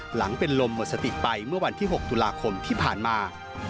หลังเป็นลมหมดสติไปเมื่อวันที่๖ตุลาคมที่ผ่านมา